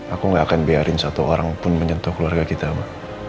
aku gak akan biarin satu orang pun menyentuh keluarga kita mbak